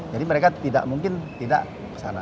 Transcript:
jadi mereka tidak mungkin tidak kesana